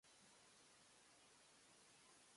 ドーナツが好き